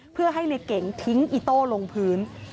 เพื่อให้ในเก่งทิ้งอิโต้ลงพื้น